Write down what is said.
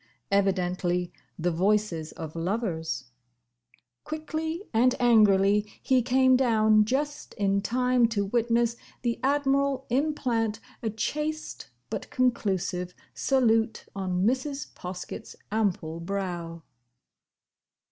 Evidently the voices of lovers. Quickly and angrily he came down, just in time to witness the Admiral implant a chaste but conclusive salute on Mrs. Poskett's ample brow.